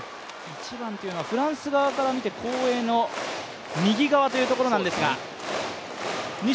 １番というのはフランス側から見て後衛の右側なんですが。